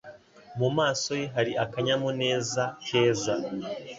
Mu maso ye hari akanyamuneza keza.